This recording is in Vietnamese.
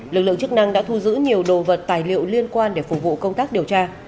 lực lượng chức năng đã thu giữ nhiều đồ vật tài liệu liên quan để phục vụ công tác điều tra